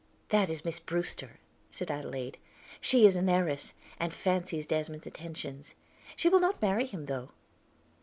"That is Miss Brewster," said Adelaide. "She is an heiress, and fancies Desmond's attentions: she will not marry him, though."